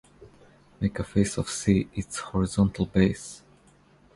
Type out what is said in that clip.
Make a face of "C" its horizontal base.